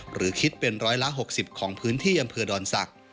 หรือคิดเป็นร้อยละ๖๐ของพื้นที่อำเภอดอนศักดิ์